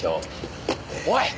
おい。